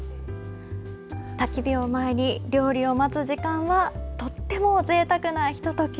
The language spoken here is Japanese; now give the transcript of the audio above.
たき火を前に料理を待つ時間はとってもぜいたくなひととき。